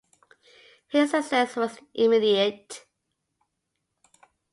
His success was immediate.